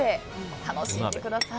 楽しんでください。